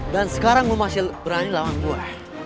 dan sekarang lu masih berani lawan gue